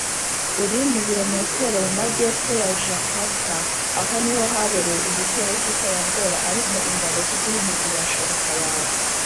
Uri mu birometero mu majyepfo ya Jakarta aho niho habereye igitero cy’iterabwoba ariko ingabo z’igihugu zibasha gutabara.